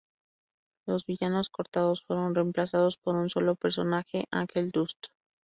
Los villanos cortados fueron reemplazados por un solo personaje, Angel Dust.